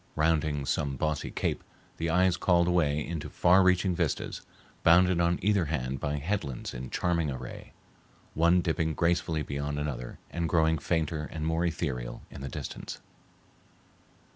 Rounding some bossy cape, the eye is called away into far reaching vistas, bounded on either hand by headlands in charming array, one dipping gracefully beyond another and growing fainter and more ethereal in the distance.